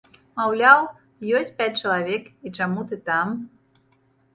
Маўляў, ёсць пяць чалавек і чаму ты там?